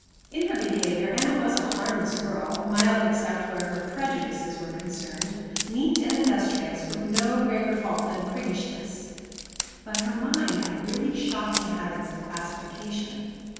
In her behavior Anna was a harmless girl, mild except where her prejudices were concerned, neat and industrious, with no graver fault than priggishness; but her mind had really shocking habits of classification.